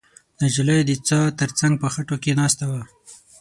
نجلۍ د څا تر څنګ په خټو کې ناسته وه.